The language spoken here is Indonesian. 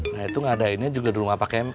nah itu ngadainya juga di rumah pak km